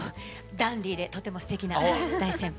ダンディーでとてもすてきな大先輩です。